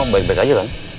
baik baik aja kan